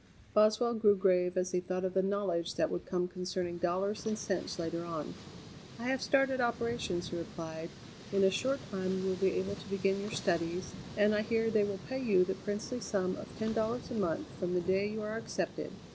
Boswell grew grave as he thought of the knowledge that would come concerning dollars and cents later on. "I have started operations," he replied; "in a short time you will be able to begin your studies, and I hear they will pay you the princely sum of ten dollars a month from the day you are accepted.